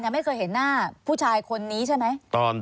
ไม่เคยเห็นหน้าผู้ชายคนนี้ใช่ไหม